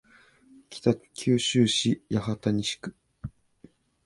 北九州市八幡西区